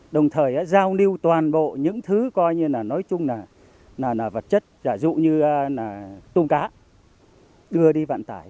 đồng thời giao niu toàn bộ những thứ coi như là nói chung là vật chất giả dụ như là tôm cá đưa đi vạn tải